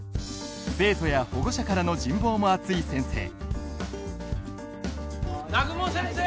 生徒や保護者からの人望も厚い先生南雲先生